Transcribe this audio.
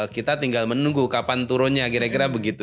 kita tinggal menunggu kapan turunnya kira kira begitu